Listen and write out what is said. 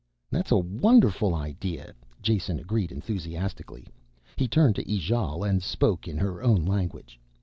"That's a wonderful idea," Jason agreed enthusiastically. He turned to Ijale and spoke in her own language.